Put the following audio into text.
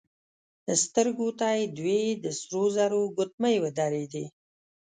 سترګو ته يې دوې د سرو زرو ګوتمۍ ودرېدې.